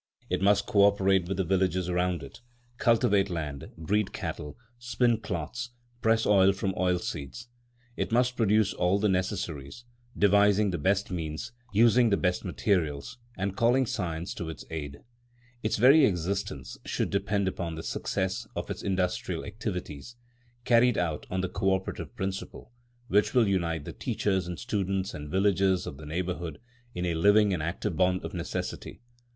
It must co operate with the villages round it, cultivate land, breed cattle, spin cloths, press oil from oil seeds; it must produce all the necessaries, devising the best means, using the best materials, and calling science to its aid. Its very existence should depend upon the success of its industrial activities carried out on the co operative principle, which will unite the teachers and students and villagers of the neighbourhood in a living and active bond of necessity.